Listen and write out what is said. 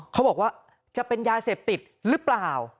เขาบอกว่าจะเป็นยาเสพติดหรือเปล่า